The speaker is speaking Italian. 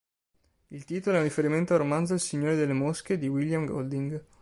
Il titolo è un riferimento al romanzo "Il signore delle mosche" di William Golding.